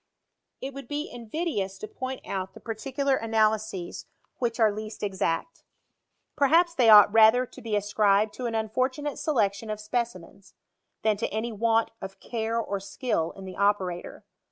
It would be invidious to point out the particular PROGRESS 07 ANALYTICAL CHEMISTRY. 207 analyses whieh are least exact ; perhaps they ought •lather to be ascribed to an unfortunate selection of specimens, than to any want of care or skill in the operator.